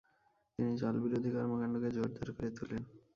তিনি জাল-বিরোধী কর্মকাণ্ডকে জোরদার করে তুলেন।